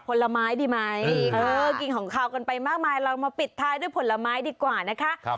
ผลไม้ดีไหมกินของขาวกันไปมากมายเรามาปิดท้ายด้วยผลไม้ดีกว่านะคะ